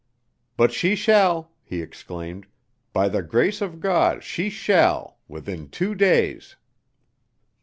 "But she shall," he exclaimed, "by the grace of God, she shall, within two days!"